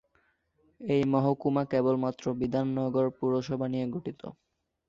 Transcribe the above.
এই মহকুমা কেবলমাত্র বিধাননগর পুরসভা নিয়ে গঠিত।